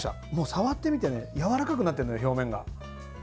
触ってみてやわらかくなってるの、表面が。